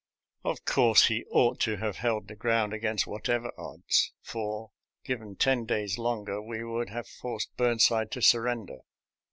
Of course, he ought to have held the ground against whatever odds, for, given ten days longer, we would have forced Burnside to sur render.